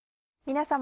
皆様。